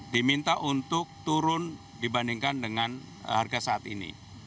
diminta untuk turun dibandingkan dengan harga saat ini